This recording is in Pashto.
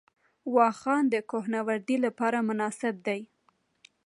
واخان د کوه نوردۍ لپاره مناسب دی